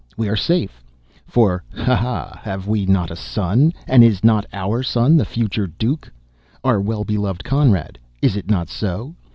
We are safe. For, Ha ha! have we not a son? And is not our son the future Duke? Our well beloved Conrad, is it not so?